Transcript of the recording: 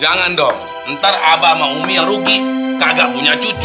jangan dong ntar abah mau umi yang rugi kagak punya cucu